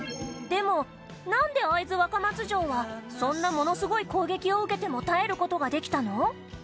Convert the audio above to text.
でも、なんで会津若松城はそんなものすごい攻撃を受けても耐える事ができたの？